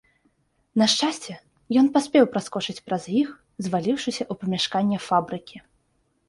На шчасце, ён паспеў праскочыць праз іх, зваліўшыся ў памяшканне фабрыкі.